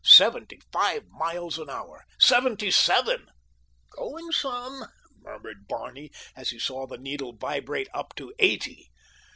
Seventy five miles an hour. Seventy seven! "Going some," murmured Barney as he saw the needle vibrate up to eighty.